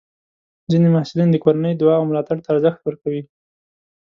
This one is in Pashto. ځینې محصلین د کورنۍ دعا او ملاتړ ته ارزښت ورکوي.